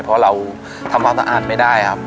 เพราะเราทำความสะอาดไม่ได้ครับ